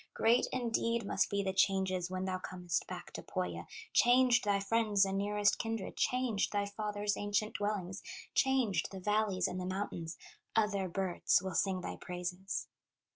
Great, indeed, must be the changes When thou comest back to Pohya, Changed, thy friends and nearest kindred, Changed, thy father's ancient dwellings, Changed, the valleys and the mountains, Other birds will sing thy praises!"